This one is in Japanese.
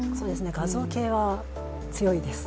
画像系は強いです。